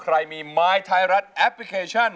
แอปพลิเคชันอยู่ในมือถือนะครับ